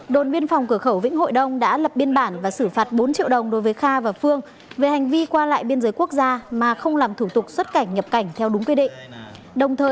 đồn biên phòng cửa khẩu vĩnh hội đông đã lập biên bản và xử phạt bốn triệu đồng đối với kha và phương về hành vi qua lại biên giới quốc gia mà không làm thủ tục xuất cảnh nhập cảnh theo đúng quy định